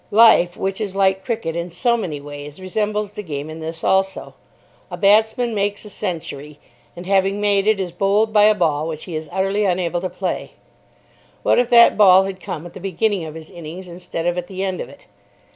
Life, which is like cricket in so many ways, resembles the game in this also. A batsman makes a century, and, having made it, is bowled by a ball which he is utterly unable to play. What if that ball had come at the beginning of his innings instead of at the end of it?